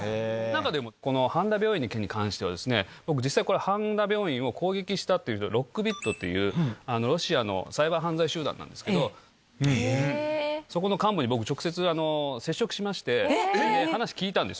なんかでも、この半田病院の件に関しては、僕、実際、これ、半田病院を攻撃したっていう、ロックビットっていう、ロシアのサイバー犯罪集団なんですけど、そこの幹部に僕、直接、接触しまして、話聞いたんえ？